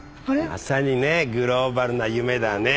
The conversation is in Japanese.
まさにねグローバルな夢だね。